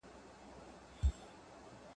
کمپيوټر ټرافیک څاري.